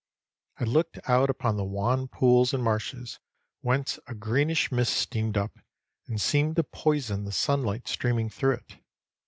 I looked out upon the wan pools and marshes, whence a greenish mist steamed up, and seemed to poison the sunlight streaming through it.